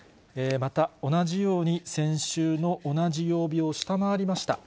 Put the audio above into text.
また同じように、先週の同じ曜日を下回りました。